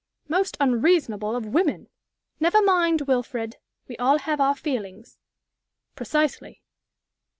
"Most unreasonable of women!" "Never mind, Wilfrid. We all have our feelings." "Precisely.